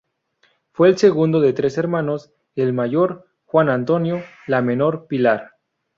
Fue el segundo de tres hermanos: el mayor, Juan Antonio; la menor, Pilar.